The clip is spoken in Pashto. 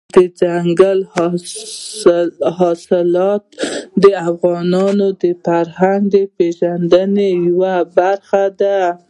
دځنګل حاصلات د افغانانو د فرهنګي پیژندنې یوه برخه ده.